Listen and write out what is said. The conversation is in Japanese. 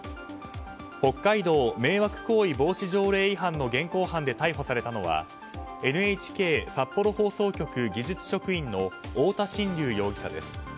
北海道迷惑行為防止条例違反の現行犯で逮捕されたのはＮＨＫ札幌放送局技術職員の太田真竜容疑者です。